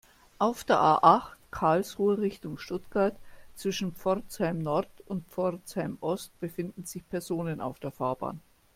Auf der A-acht, Karlsruhe Richtung Stuttgart, zwischen Pforzheim-Nord und Pforzheim-Ost befinden sich Personen auf der Fahrbahn.